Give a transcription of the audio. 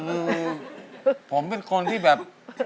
คือผมเป็นคนที่แบบ